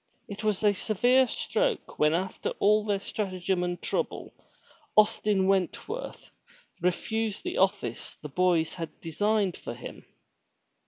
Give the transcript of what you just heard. It was a severe stroke when after all their stratagem and trouble, Austin Wentworth refused the office the boys had designed for him.